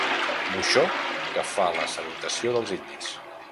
Moixó que fa la salutació dels indis.